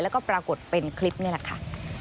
แล้วก็ปรากฏเป็นคลิปนี่แหละค่ะ